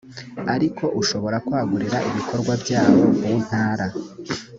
ariko ushobora kwagurira ibikorwa byawo muntara